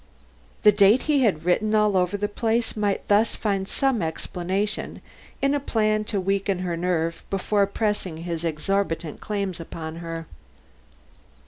The date he had written all over the place might thus find some explanation in a plan to weaken her nerve before pressing his exorbitant claims upon her.